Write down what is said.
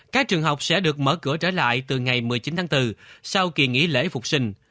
các trường học sẽ được mở cửa trở lại từ ngày một mươi chín tháng bốn sau kỳ nghỉ lễ phục sinh